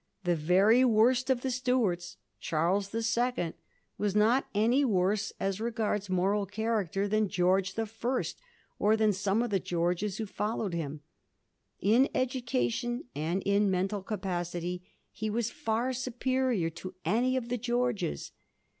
The very worst of the StuartSy Charles the Second, was not any worse as regards moral character than George the First, or than some of the Georges who followed him. In education and in mental capacity he was far superior to any of the Georges.